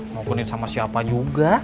mau genit sama siapa juga